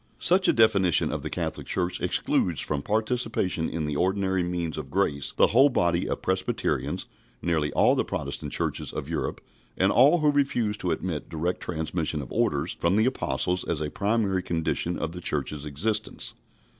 Such a definition of the Catholic Church excludes from participation in the ordinary means of grace the whole body of Presbyterians, nearly all the Protestant Churches of Europe, and all who refuse to admit direct transmission of orders from the Apostles as a primary condition of the Church's existence.